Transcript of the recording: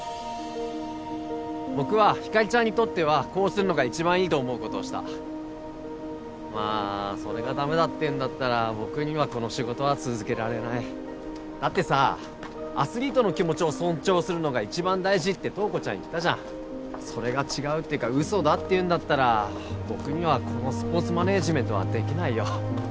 僕はひかりちゃんにとってはこうするのが一番いいと思うことをしたまあそれがダメだっていうんだったら僕にはこの仕事は続けられないだってさアスリートの気持ちを尊重するのが一番大事って塔子ちゃん言ったじゃんそれが違うっていうかウソだっていうんだったら僕にはこのスポーツマネージメントはできないよ